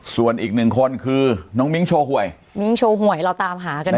ส่วนอีกหนึ่งคนคือน้องมิ้งโชว์หวยมิ้งโชว์หวยเราตามหากันอยู่